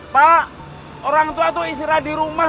pak orang tua itu istirahat di rumah